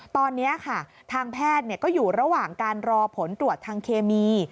ตอนนี้ค่ะทางแพทย์ก็อยู่ระหว่างการรอผลตรวจทางเคมี